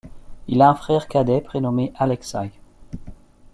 Il a un frère cadet prénommé Alexei.